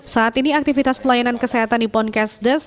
saat ini aktivitas pelayanan kesehatan di ponkesdes